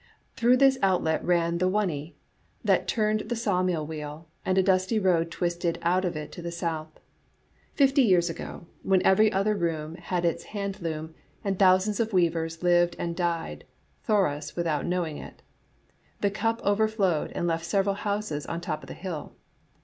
Through this outlet ran the Whunny, that turned the sawmill wheel, and a dusty road twisted out of it to the south. Fifty years ago, when every other room had its hand loom, and thousands of weavers lived and died Thoreaus without knowing it, the cup overflowed and left several houses on the top of the hill.